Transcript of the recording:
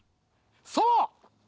そう！